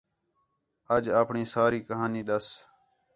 اَج اپݨی ساری کہاݨی ݙَس